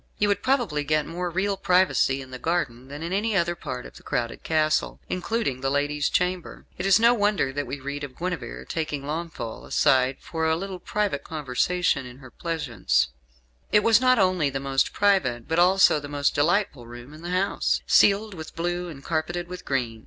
You would probably get more real privacy in the garden than in any other part of the crowded castle, including the lady's chamber. It is no wonder that we read of Guenevere taking Launfal aside for a little private conversation in her pleasaunce. It was not only the most private, but also the most delightful room in the house ceiled with blue and carpeted with green.